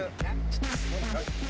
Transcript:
ちょっと。